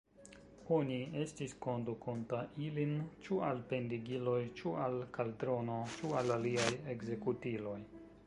Oni estis kondukonta ilin ĉu al pendigiloj, ĉu al kaldrono, ĉu al aliaj ekzekutiloj.